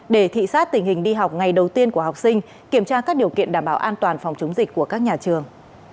để thị sát tình hình đi học ngày đầu tiên của học sinh kiểm tra các điều kiện đảm bảo an toàn phòng chống dịch của các nhà trường